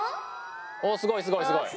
おすごいすごいすごい。